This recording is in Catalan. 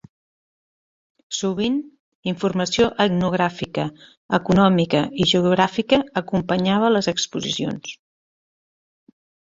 Sovint, informació etnogràfica, econòmica i geogràfica acompanyava les exposicions.